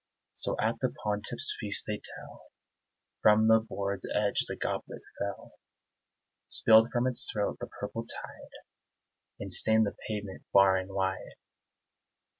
So at the pontiff's feasts, they tell, From the board's edge the goblet fell, Spilled from its throat the purple tide And stained the pavement far and wide.